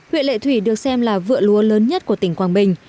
huyện lệ thủy được xem là vựa lúa lớn nhất của tỉnh quảng bình